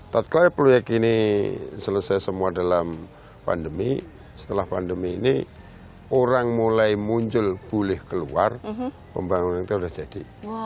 todclai proyek ini selesai semua dalam pandemi setelah pandemi ini orang mulai muncul boleh keluar pembangunan itu sudah jadi